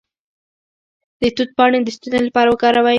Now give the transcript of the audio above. د توت پاڼې د ستوني لپاره وکاروئ